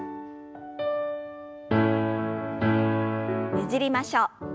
ねじりましょう。